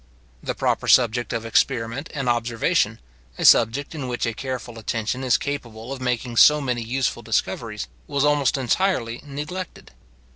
The proper subject of experiment and observation, a subject in which a careful attention is capable of making so many useful discoveries, was almost entirely neglected.